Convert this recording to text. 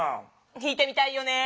ひいてみたいよね。